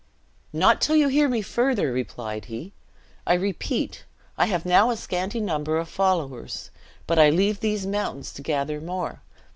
"Not till you hear me further," replied he. "I repeat I have now a scanty number of followers; but I leave these mountains to gather more.